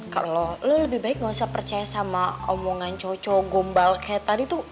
kalau lo lebih baik gak usah percaya sama omongan coco gombal kayak tadi tuh